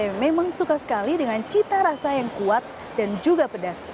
yang memang suka sekali dengan cita rasa yang kuat dan juga pedas